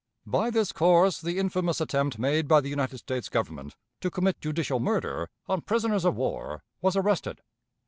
By this course the infamous attempt made by the United States Government to commit judicial murder on prisoners of war was arrested.